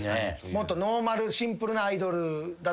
もっとノーマルシンプルなアイドルだったら。